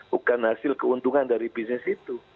bukan hasil keuntungan dari bisnis itu